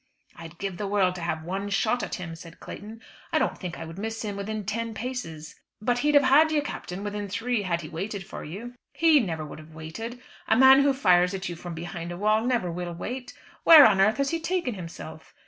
"I'd give the world to have one shot at him," said Clayton. "I don't think I would miss him within ten paces." "But he'd have had you, Captain, within three, had he waited for you." "He never would have waited. A man who fires at you from behind a wall never will wait. Where on earth has he taken himself?"